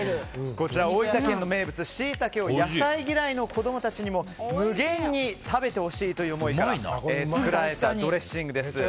こちら大分県の名物シイタケを野菜嫌いの子供たちにも無限に食べてほしいという思いから作られたドレッシングです。